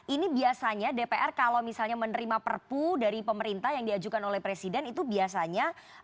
ini biasanya dpr kalau misalnya menerima perpu dari pemerintah yang diajukan oleh presiden itu biasanya